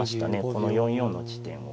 この４四の地点を。